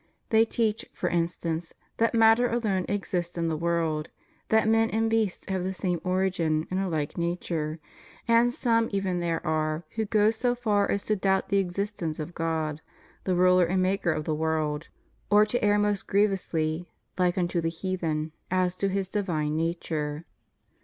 They teach, for instance, that matter alone exists in the world; that men and beasts have the same origin and a like nature; and some even there are who go so far as to doubt the existence of God, the Ruler and Maker of the world, or to err most grievously, like unto the heathen, as to His divine nature.